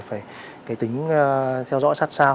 phải tính theo dõi sát sao